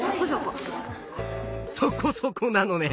そこそこなのね。